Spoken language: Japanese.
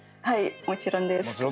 はいもちろんです。